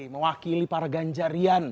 mewakili para ganjarian